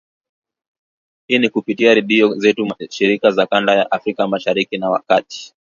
Hii ni kupitia redio zetu shirika za kanda ya Afrika Mashariki na Kati